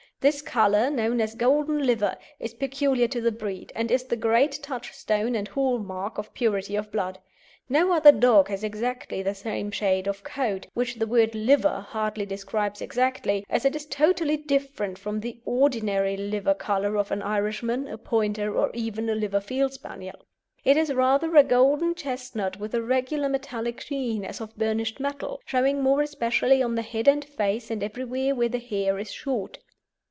This colour, known as golden liver, is peculiar to the breed, and is the great touchstone and hall mark of purity of blood. No other dog has exactly the same shade of coat, which the word "liver" hardly describes exactly, as it is totally different from the ordinary liver colour of an Irishman, a Pointer, or even a liver Field Spaniel. It is rather a golden chestnut with a regular metallic sheen as of burnished metal, showing more especially on the head and face and everywhere where the hair is short.